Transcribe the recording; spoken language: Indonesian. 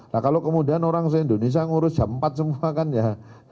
nah kalau kemudian orang se indonesia ngurus jam empat semua kan ya